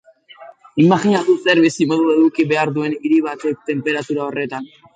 Imajinatu zer bizimodu eduki behar duen hiri batek tenperatura horretan.